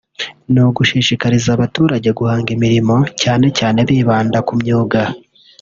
ni ugushishikariza abaturage guhanga imirimo cyane cyane bibanda ku myuga